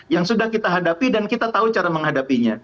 yang sudah kita hadapi dan kita tahu cara menghadapinya